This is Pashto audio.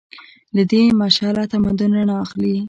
له دې مشعله تمدن رڼا اخلي.